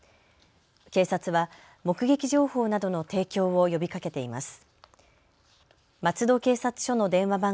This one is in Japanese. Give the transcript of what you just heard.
警察は目撃情報などの提供を呼びかけています。